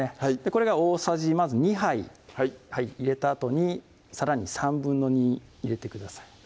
これが大さじまず２杯はい入れたあとにさらに２／３入れてください